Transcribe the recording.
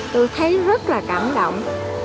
tôi thấy rất là cảm động